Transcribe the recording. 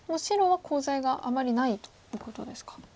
白はコウ材があまりないということですか。